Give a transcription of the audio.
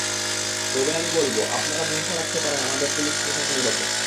তবে আমি বলব, আপনারা ভরসা রাখতে পারেন আমাদের পুলিশ প্রশাসনের ওপর।